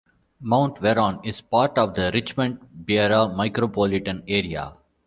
Mount Vernon is part of the Richmond-Berea micropolitan area.